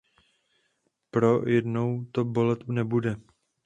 Pro jednou to bolet nebude.